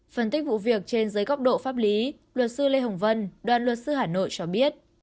phân tích vụ việc trên dưới góc độ pháp lý luật sư lê hồng vân đoàn luật sư hà nội cho biết